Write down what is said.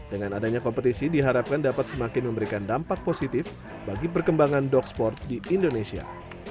dengan adanya kompetisi diharapkan dapat semakin memberikan dampak positif bagi perkembangan dog sport di indonesia